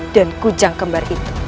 dan kujang kembar itu